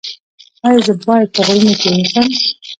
ایا زه باید په غرونو کې اوسم؟